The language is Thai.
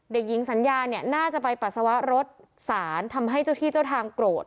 เด็กหญิงสัญญาเนี่ยน่าจะไปปัสสาวะรถสารทำให้เจ้าที่เจ้าทางโกรธ